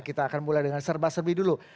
kita akan mulai dengan serba serbi dulu